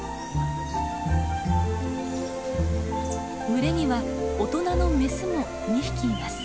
群れには大人のメスも２匹います。